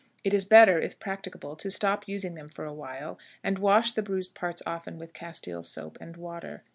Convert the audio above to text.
It is better, if practicable, to stop using them for a while, and wash the bruised parts often with castile soap and water.